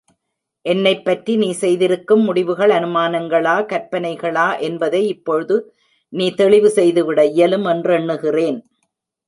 என்னைப் பற்றி நீ செய்திருக்கும் முடிவுகள் அநுமானங்களா கற்பனைகளா என்பதை இப்போது நீ தெளிவு செய்துவிட இயலும் என்றெண்ணுகிறேன்.